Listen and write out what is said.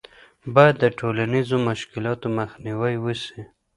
باید د ټولنیزو مشکلاتو مخنیوی وسي.